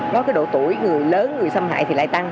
có cái độ tuổi người lớn người xâm hại trẻ em rất là nhiều